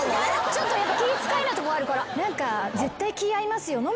ちょっとやっぱ気ぃ使いなとこあるから。